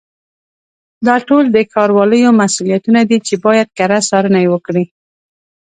دا ټول د ښاروالیو مسؤلیتونه دي چې باید کره څارنه یې وکړي.